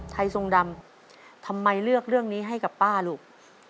ทรงดำทำไมเลือกเรื่องนี้ให้กับป้าลูก